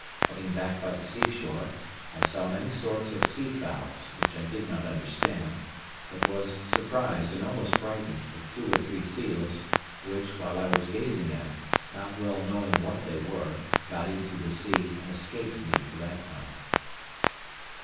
Coming back by the sea shore, I saw many sorts of sea fowls, which I did not understand; but was surprised, and almost frightened, with two or three seals, which, while I was gazing at, not well knowing what they were, got into the sea, and escaped me for that time.